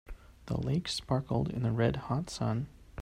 The lake sparkled in the red hot sun.